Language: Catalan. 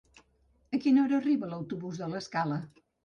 A quina hora arriba l'autobús de l'Escala?